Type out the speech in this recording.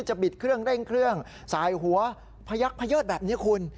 บิดเครื่องเร่งเครื่องสายหัวพยักพะเยิดแบบนี้คุณ